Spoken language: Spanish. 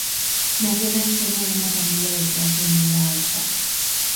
Nació en el seno de una familia de clase media-alta.